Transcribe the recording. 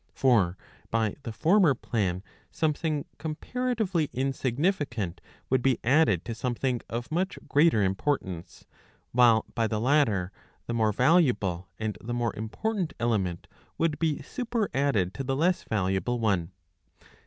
For by the former plan something comparatively insignificant would be added to something of much greater importance; while by the latter the more valuable and the more important element would be superadded to the less yaluable one.